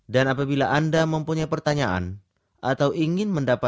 damai yang membuang ku bahagia